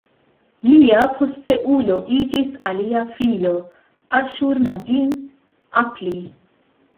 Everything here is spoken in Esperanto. Lia posteulo iĝis alia filo, Aŝur-nadin-apli.